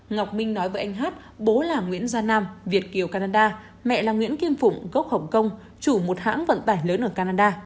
ngọc minh nói với anh hát bố là nguyễn gia nam việt kiều canada mẹ là nguyễn kim phụng gốc hồng kông chủ một hãng vận tải lớn ở canada